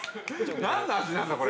◆何の味なんだ、これ。